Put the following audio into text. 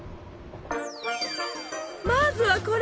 まずはこれ！